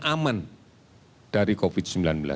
aman dari covid sembilan belas